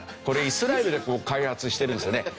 これイスラエルで開発してるんですよね。